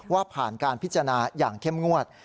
ว่าผ่านการพิจารณาอย่างเข้มงวด